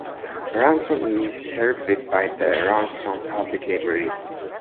Ransom is served by the Ransom Public Library.